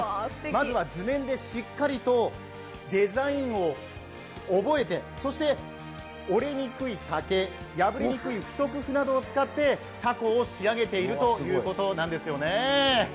まずは図面でしっかりとデザインを覚えてそして折れにくい竹破れにくい不織布などを使ってたこを仕上げているということなんですよね。